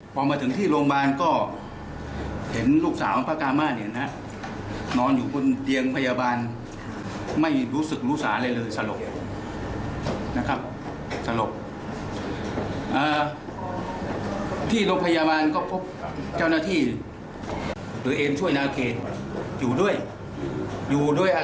ด้วยขณะเข้าเวนอยู่ภรรยาโทรแจ้งว่าลูกสาวประสบอุบัติเหตุอยู่ที่โรงพยาบาลค่ะ